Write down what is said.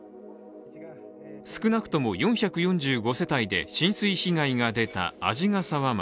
少なくとも４４５世帯で浸水被害が出た鰺ヶ沢町。